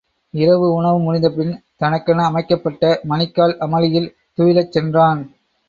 இரவு உணவு முடிந்தபின் தனக்கென அமைக்கப்பட்ட மணிக்கால் அமளியில் துயிலச் சென்றான்.